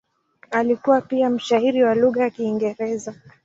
Alikuwa pia mshairi wa lugha ya Kiingereza.